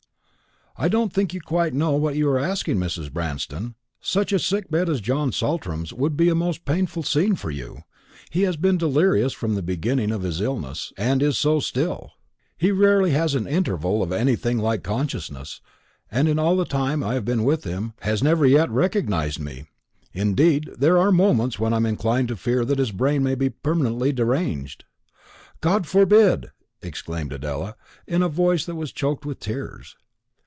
"I don't think you quite know what you are asking, Mrs. Branston. Such a sick bed as John Saltram's would be a most painful scene for you. He has been delirious from the beginning of his illness, and is so still. He rarely has an interval of anything like consciousness, and in all the time that I have been with him has never yet recognised me; indeed, there are moments when I am inclined to fear that his brain may be permanently deranged." "God forbid!" exclaimed Adela, in a voice that was choked with tears.